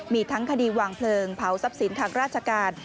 มีทั้งคดีวางเพลิงเผาทรัพย์สินทางราชการ